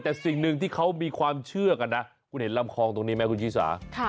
แต่สิ่งหนึ่งที่เขามีความเชื่อกันนะคุณเห็นลำคลองตรงนี้ไหมคุณชิสา